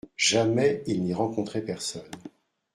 Jamais il n'y rencontrait personne.